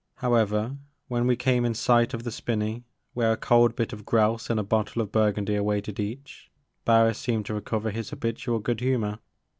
However, when we came in sight of the spinney where a cold bit of grouse and a bottle of Burgundy awaited each, Barris seemed to recover his habitual good humor.